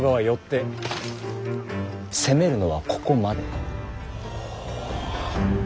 よって攻めるのはここまで。